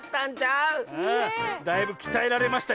⁉ああだいぶきたえられましたよ。